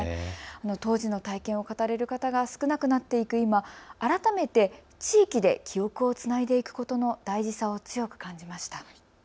当時の体験を語れる方が少なくなっている今、改めて地域で記憶をつないでいくことの大事さを強く感じました。